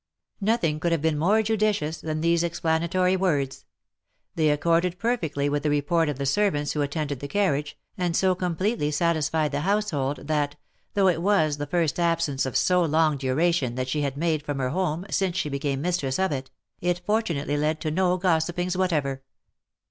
Nothing could have been more judicious than these explanatory words. They accorded perfectly with the report of the servants who attended the carriage, and so completely satisfied the household, that, though it was the first absence of so long duration that she had made from her home since she became mistress of it, it fortunately led to no gossipings whatever.